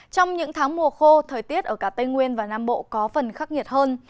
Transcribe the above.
trong những tháng mùa khô thời tiết ở cả tây nguyên và nam bộ có phần khắc nghiệt hơn